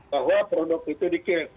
bahwa produk itu dikeluarkan